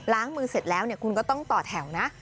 ล้างมือเสร็จแล้วเนี่ยคุณก็ต้องต่อแถวนะ